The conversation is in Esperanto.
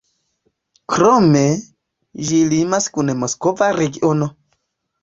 Krome, ĝi limas kun Moskva regiono.